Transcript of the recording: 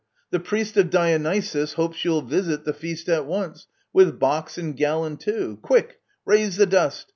The priest of Dionysus hopes you'll visit The feast at once — with box and gallon too — Quick ! Raise the dust